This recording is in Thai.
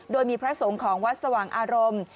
โดยมีพระสงฆ์ของวัดสว่างอารมณ์